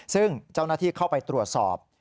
ซึ่งเจ้าหน้าที่เข้าไปตรวจสอบ